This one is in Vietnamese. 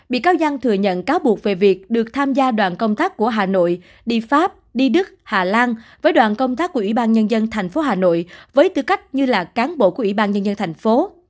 bị cáo giang thừa nhận cáo buộc về việc được tham gia đoàn công tác của hà nội đi pháp đi đức hà lan với đoàn công tác của ủy ban nhân dân tp hà nội với tư cách như là cán bộ của ủy ban nhân dân thành phố